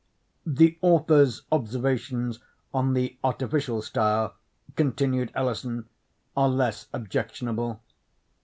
"The author's observations on the artificial style," continued Ellison, "are less objectionable.